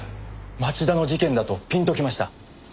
町田の事件だとピンときました。